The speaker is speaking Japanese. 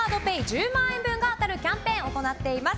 １０万円分が当たるキャンペーンを行っています。